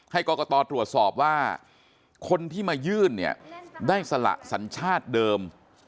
กรกตตรวจสอบว่าคนที่มายื่นเนี่ยได้สละสัญชาติเดิม